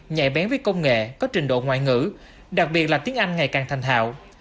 nhạy bén với công nghệ có trình độ ngoại ngữ đặc biệt là tiếng anh ngày càng thành hạo